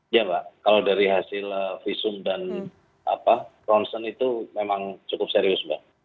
iya mbak kalau dari hasil visum dan ronsen itu memang cukup serius mbak